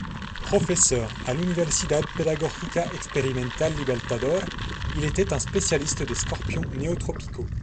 Professeur à l'Universidad Pedagógica Experimental Libertador, il était un spécialiste des scorpions néotropicaux.